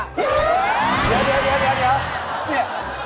เดี๋ยว